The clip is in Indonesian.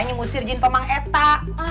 nyusir jin tomang eta